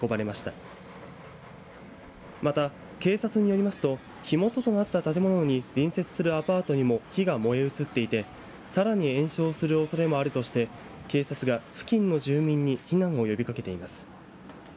また警察によりますと火元となった建物に隣接するアパートにも火が燃え移っていてさらに延焼するおそれもあるとして警察が付近の住民に避難を呼びかけています。